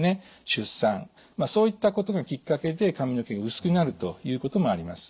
出産そういったことがきっかけで髪の毛が薄くなるということもあります。